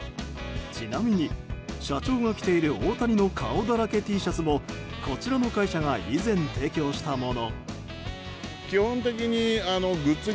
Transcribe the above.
ちなみに、社長が着ている大谷の顔だらけＴシャツもこちらの会社が以前提供したもの。